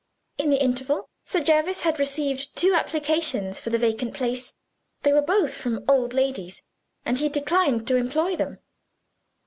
In the interval, Sir Jervis had received two applications for the vacant place. They were both from old ladies and he declined to employ them."